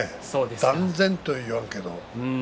断然とは言わんけど。